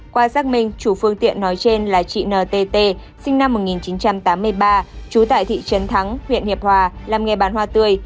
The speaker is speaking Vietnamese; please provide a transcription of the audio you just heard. qua xác minh chủ phương tiện nói trên là chị ntt sinh năm một nghìn chín trăm tám mươi ba trú tại thị trấn thắng huyện hiệp hòa làm nghề bán hoa tươi